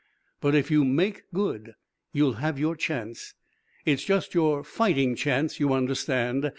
But, if you make good, you'll have your chance. It's just your fighting chance, you understand.